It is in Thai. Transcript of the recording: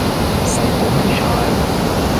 ใส่ผมผู้ชาย